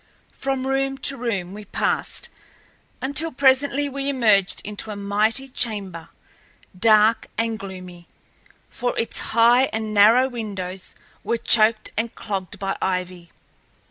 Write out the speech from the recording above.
From room to room we passed until presently we emerged into a mighty chamber, dark and gloomy, for its high and narrow windows were choked and clogged by ivy.